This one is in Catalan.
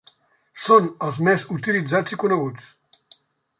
Són els més utilitzats i coneguts.